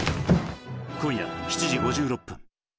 今夜７時５６分。